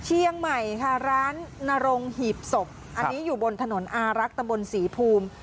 เชียงใหม่ค่ะร้านนรงหีบศพอันนี้อยู่บนถนนอารักษ์ตำบลศรีภูมิ